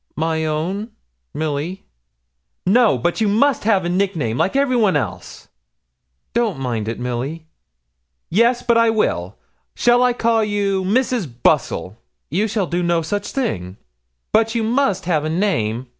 'My own, Milly.' 'No, but you must have a nickname, like every one else.' 'Don't mind it, Milly.' 'Yes, but I will. Shall I call you Mrs. Bustle?' 'You shall do no such thing.' 'But you must have a name.'